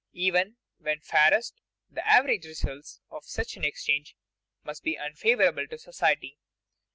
_ Even when fairest, the average results of such an exchange must be unfavorable to society.